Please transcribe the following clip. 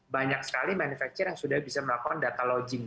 banyak sekali manufacturer yang sudah bisa melakukan data lodging